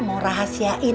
mak mau rahasiain